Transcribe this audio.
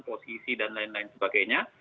posisi dan lain lain sebagainya